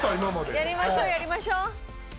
やりましょやりましょ。